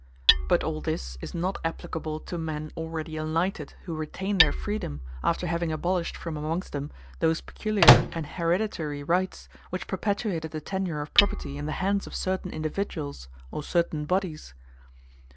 But all this is not applicable to men already enlightened who retain their freedom, after having abolished from amongst them those peculiar and hereditary rights which perpetuated the tenure of property in the hands of certain individuals or certain bodies.